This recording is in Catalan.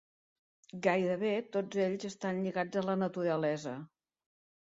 Gairebé tots ells estan lligats a la naturalesa.